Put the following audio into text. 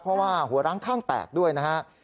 เพราะว่าหัวร้างข้างแตกด้วยนะครับ